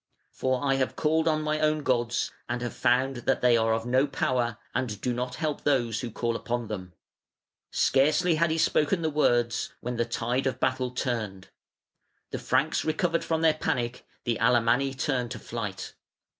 For I have called on my own gods and have found that they are of no power and do not help those who call upon them". Scarcely had he spoken the words when the tide of battle turned. The Franks recovered from their panic, the Alamanni turned to flight.